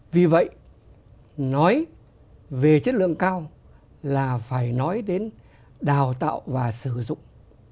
vì vậy nói về chất lượng cao là phải nói đến đào tạo và sử dụng